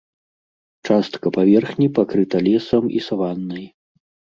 Частка паверхні пакрыта лесам і саваннай.